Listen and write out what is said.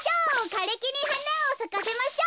かれきにはなをさかせましょう！」。